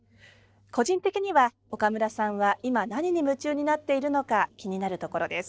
個人的には岡村さんは今何に夢中になっているのか気になるところです。